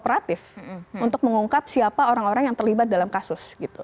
ketika persidangan tidak cukup kooperatif untuk mengungkap siapa orang orang yang terlibat dalam kasus